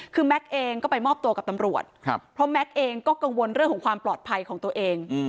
คือแม็กซ์เองก็ไปมอบตัวกับตำรวจเพราะแม็กซ์เองก็กังวลเรื่องของความปลอดภัยของตัวเอง